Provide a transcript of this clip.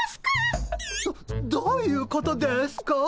どどういうことですか？